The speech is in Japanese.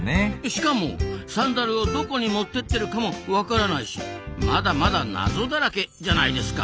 しかもサンダルをどこに持ってってるかもわからないしまだまだ謎だらけじゃないですか。